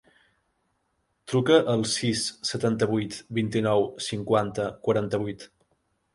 Truca al sis, setanta-vuit, vint-i-nou, cinquanta, quaranta-vuit.